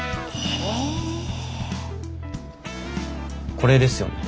これですよね？